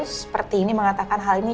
seperti ini mengatakan hal ini